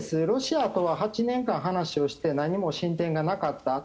ロシアとは８年間話をして何も進展がなかった。